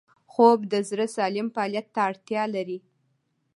خوب د زړه سالم فعالیت ته اړتیا لري